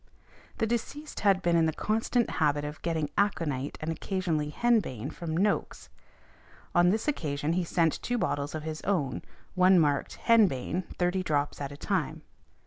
The deceased had been in the constant habit of getting aconite and occasionally henbane from Noakes; on this occasion he sent two bottles of his own, one marked, "Henbane, 30 drops at a time."